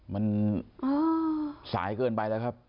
มันสายเกินไปแล้วครับ